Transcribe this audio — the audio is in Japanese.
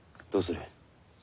どうする？